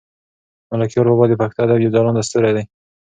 ملکیار بابا د پښتو ادب یو ځلاند ستوری دی.